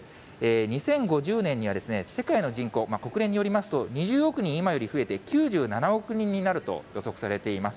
２０５０年には、世界の人口、国連によりますと、２０億人今より増えて、９７億人になると予測されています。